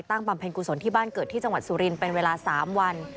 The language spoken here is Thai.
ตั้งปัมเภนกุศลที่บ้านเกิดที่จังหวัดสุรินทร์เป็นเวลา๓วัน